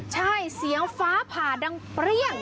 ใช่เสียงฟ้าผ่าดังเปรี้ยง